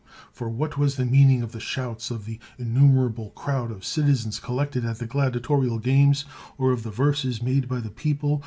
For what was the meaning of the shouts of the innumera ble crowd of citizens collected at the gladiatorial games? or of the verses made by the people?